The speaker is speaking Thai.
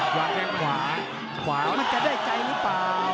วางแข้งขวาขวามันจะได้ใจหรือเปล่า